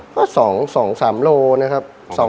ก็๒๓โลนะครับ